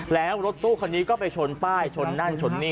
แล้วรถตู้คันนี้ก็ไปชนป้ายชนนั่นชนนี่